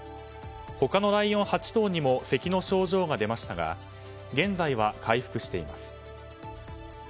他のライオン８頭にもせきの症状が出ましたが現在は回復しています。